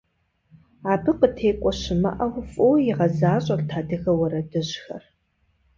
Абы къытекӏуэ щымыӏэу фӏыуэ игъэзащӏэрт адыгэ уэрэдыжьхэр.